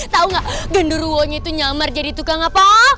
tau nggak genderwo nya itu nyamar jadi tukang apa